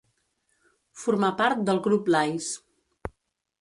Formà part del Grup Lais.